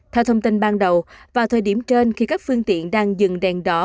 theo thông tin ban đầu vào thời điểm trên khi các phương tiện đang dừng đèn đỏ